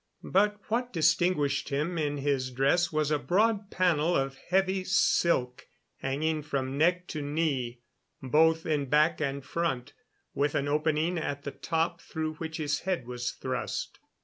But what distinguished him in his dress was a broad panel of heavy silk, hanging from neck to knee, both in back and front, with an opening at the top through which his head was thrust.